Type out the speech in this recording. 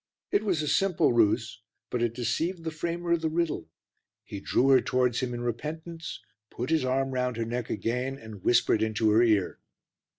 It was a simple ruse, but it deceived the framer of the riddle; he drew her towards him in repentance, put his arm round her neck again and whispered into her ear.